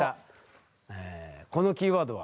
このキーワードは。